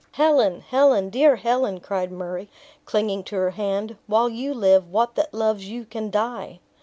"Helen! Helen! dear Helen!" cried Murray, clinging to her hand; "while you live, what that loves you can die?"